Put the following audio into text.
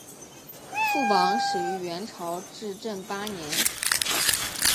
副榜始于元朝至正八年。